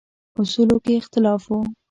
اصولو کې اختلاف و.